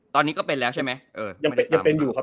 ตอนนี้ก็เป็นแล้วใช่ไหมยังเป็นยังเป็นอยู่ครับ